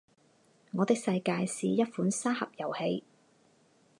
《我的世界》是一款沙盒游戏。